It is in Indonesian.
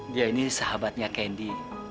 dia ini sahabatnya kendi